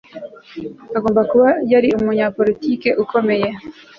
Agomba kuba yari umunyapolitiki ukomeye